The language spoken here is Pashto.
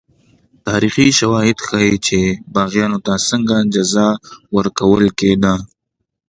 تاریخي شواهد ښيي چې باغیانو ته څنګه جزا ورکول کېده.